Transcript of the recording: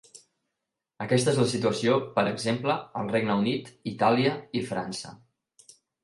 Aquesta és la situació, per exemple, al Regne Unit, Itàlia i França.